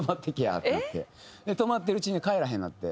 で泊まってるうちに帰らへんなって。